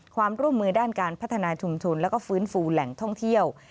ความร่วมมือด้านการพัฒนาชุมชนแล้วก็ฟื้นฟูแหล่งท่องเที่ยว